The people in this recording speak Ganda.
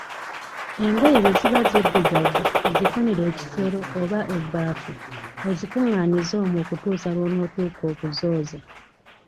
Engoye bwe ziba ziddugadde zifunire ekisero oba ebbaafu ozikunganyize omwo okutuusa lw‘onotuuka okuzooza